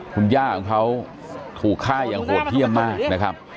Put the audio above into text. คุณย่าของเขาถูกฆ่าอย่างโหดเยี่ยมมากนะครับ